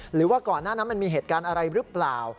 หรือว่าก่อนหน้านั้นมันมีเหตุการณ์อะไรหรือเปล่า